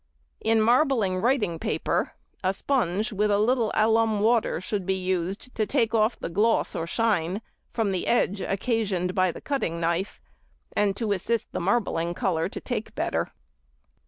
In marbling writing paper, a sponge with a little alum water should be used to take off the gloss or shine from the edge, occasioned by the cutting knife, and to assist the marbling colour to take better.